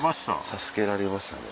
助けられましたね。